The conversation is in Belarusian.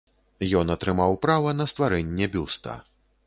Ён атрымаў права на стварэнне бюста.